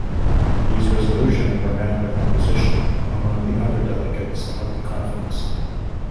These resolution were met with opposition among the other delegates of the conference.